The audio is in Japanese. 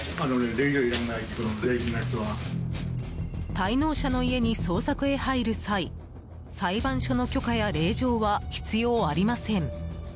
滞納者の家に捜索へ入る際裁判所の許可や令状は必要ありません。